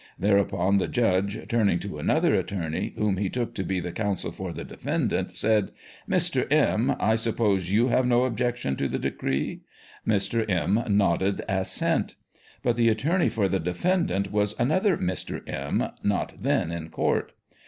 Thereupon the judge, turning to nother attorney, whom he took to be the counsel for the defendant, said :" Mr. M., I suppose you have no objection to the decree ?" Mr. M. nodded assent. But the attorney for ;he defendant was another Mr. M., not then in ;ourt.